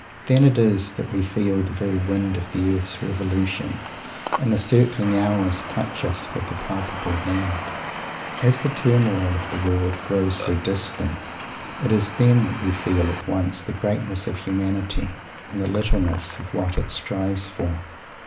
Then it is that we feel the very wind of the earth's revolution, and the circling hours touch us with a palpable hand. And the turmoil of the world grown so distant, it is then that we feel at once the greatness of humanity and the littleness of what it strives for.